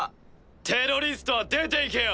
テロリストは出ていけよ。